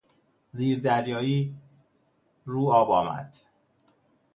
زیردریایی رو آب آمد.